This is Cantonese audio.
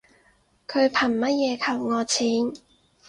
佢憑乜嘢扣我錢